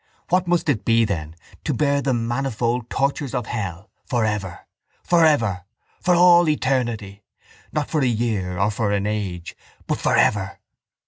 What must it be, then, to bear the manifold tortures of hell for ever? For ever! For all eternity! Not for a year or for an age but for ever.